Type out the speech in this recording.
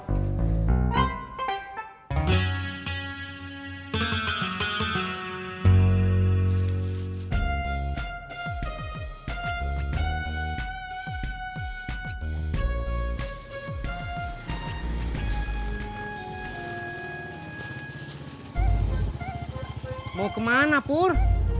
aku mau kemana pur